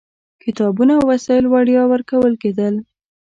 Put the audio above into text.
کتابونه او وسایل وړیا ورکول کېدل.